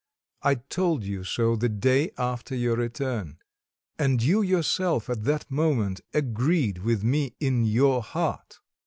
I told you so the day after your return, and you yourself, at that moment, agreed with me in your heart.